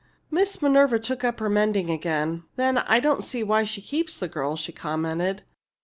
Miss Minerva took up her mending again. "Then I don't see why she keeps the girl," she commented.